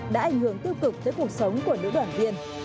đã ảnh hưởng tiêu cực tới cuộc sống của nữ đoàn viên